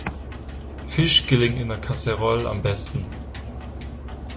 Fisch gelingt in der Kaserolle am besten.